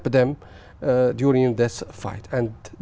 trong cuộc chiến đấu